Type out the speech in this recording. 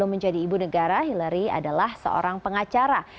menjadi ibu negara hillary adalah seorang pengacara